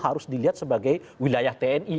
harus dilihat sebagai wilayah tni